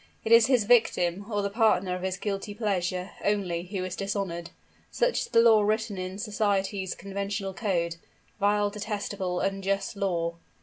It is his victim, or the partner of his guilty pleasure, only, who is dishonored. Such is the law written in society's conventional code. Vile, detestable, unjust law!